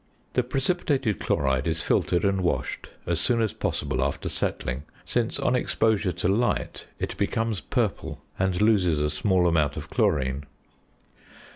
The precipitated chloride is filtered and washed as soon as possible after settling, since on exposure to light it becomes purple, and loses a small amount of chlorine.